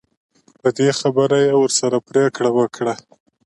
په دې خبره یې ورسره پرېکړه وکړه.